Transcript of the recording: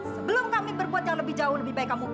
sebelum kami berbuat yang lebih jauh lebih baik kamu